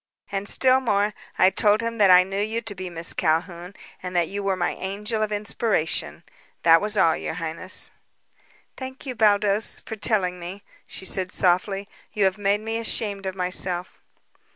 And, still more, I told him that I knew you to be Miss Calhoun and that you were my angel of inspiration. That was all, your highness." "Thank you, Baldos, for telling me," she said softly. "You have made me ashamed of myself."